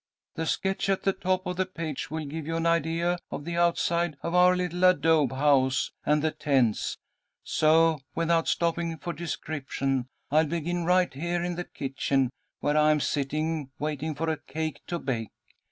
"'The sketch at the top of the page will give you an idea of the outside of our little adobe house and the tents, so without stopping for description I'll begin right here in the kitchen, where I am sitting, waiting for a cake to bake.